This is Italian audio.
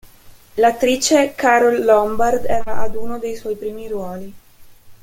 L'attrice Carole Lombard era ad uno dei suoi primi ruoli.